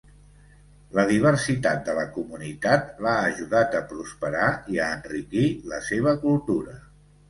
La diversitat de la comunitat l'ha ajudat a prosperar i a enriquir la seva cultura.